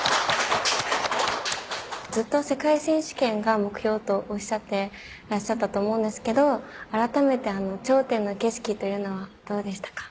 ずっと世界選手権が目標とおっしゃってらっしゃったと思うんですけど改めて頂点の景色というのはどうでしたか？